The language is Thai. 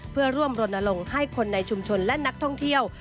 เพื่อร่วมรณรงค์ให้คนในชุมชนและนักท่องเที่ยว